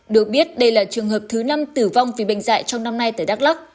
được biết đây là trường hợp thứ năm tử vong vì bệnh dạy trong năm nay tại đắk lắc